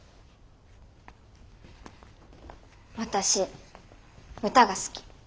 私歌が好き。